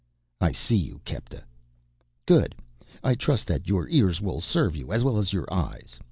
"I see you, Kepta." "Good. I trust that your ears will serve you as well as your eyes.